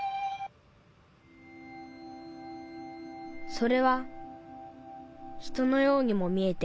それは人のようにも見えて